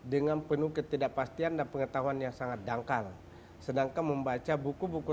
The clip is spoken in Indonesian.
dengan penuh ketidakpastian dan pengetahuan yang sangat dangkal sedangkan membaca buku buku